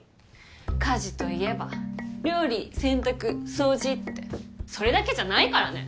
家事といえば料理洗濯掃除ってそれだけじゃないからね。